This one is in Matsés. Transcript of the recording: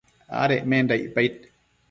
adecmenda icpaid